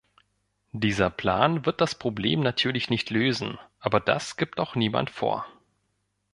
Dieser Plan wird das Problem natürlich nicht lösen, aber das gibt auch niemand vor.